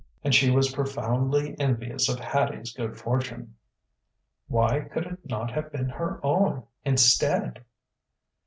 And she was profoundly envious of Hattie's good fortune. Why could it not have been her own, instead?